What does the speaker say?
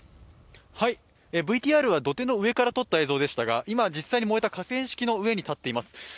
ＶＴＲは土手の上から撮った映像でしたが、今、実際に燃えた河川敷の上に立っています。